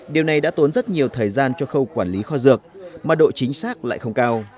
điều này đã tốn rất nhiều thời gian cho khâu quản lý kho dược mà độ chính xác lại không cao